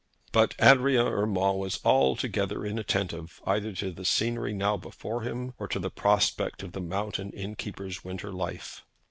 But Adrian Urmand was altogether inattentive either to the scenery now before him, or to the prospect of the mountain innkeeper's winter life.